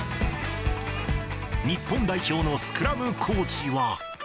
日本代表のスクラムコーチは。